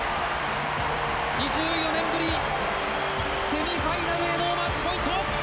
２４年ぶりセミファイナルへのマッチポイント。